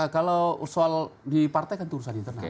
kalau soal di partai kan itu urusan internal